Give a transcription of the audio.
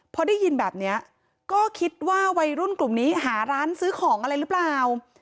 พอได้ยินแบบนี้ก็คิดว่าวัยรุ่นกลุ่มนี้หาร้านซื้อของอะไรหรือเปล่า